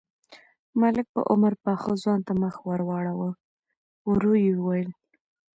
ملک په عمر پاخه ځوان ته مخ ور واړاوه، ورو يې وويل: